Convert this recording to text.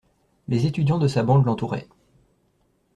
Les étudiants de sa bande l'entouraient.